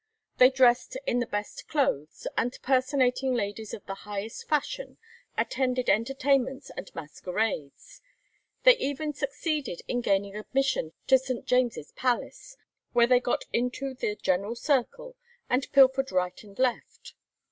They dressed in the best clothes, and personating ladies of the highest fashion, attended entertainments and masquerades; they even succeeded in gaining admission to St. James's Palace, where they got into the general circle and pilfered right and left.